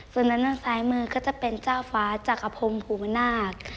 ส่วนด้านซ้ายมือก็จะเป็นเจ้าฟ้าจักรพรมภูมินาค